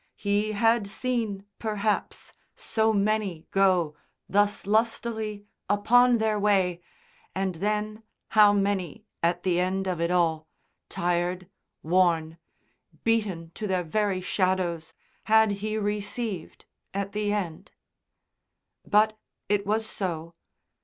He had seen, perhaps, so many go, thus lustily, upon their way, and then how many, at the end of it all, tired, worn, beaten to their very shadows, had he received at the end! But it was so.